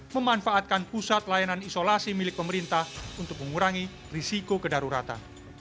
memanfaatkan pusat layanan isolasi milik pemerintah untuk mengurangi risiko kedaruratan